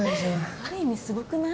ある意味すごくない？